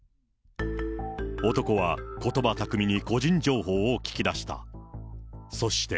男は、ことば巧みに個人情報を聞き出した。